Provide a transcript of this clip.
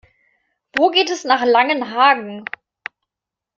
Wo geht es nach Langenhagen?